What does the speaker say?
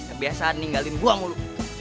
kebiasaan ninggalin gue mulu